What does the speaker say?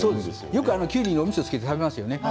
よくきゅうりにおみそをつけて食べますよね。